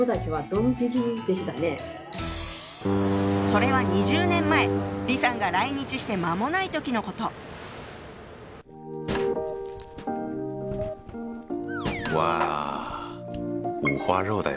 それは２０年前李さんが来日して間もない時のこと。わ。